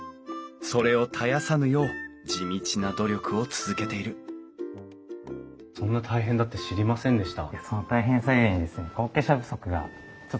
それを絶やさぬよう地道な努力を続けているそんな大変だって知りませんでした。